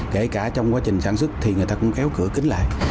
kể cả trong quá trình sản xuất thì người ta cũng kéo cửa kính lại